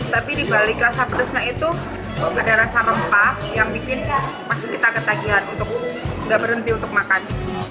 tapi dibalik rasa pedasnya itu ada rasa rempah yang bikin pas kita ketagihan untuk nggak berhenti untuk makan